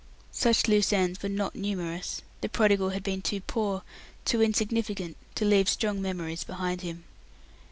Such loose ends were not numerous; the prodigal had been too poor, too insignificant, to leave strong memories behind him.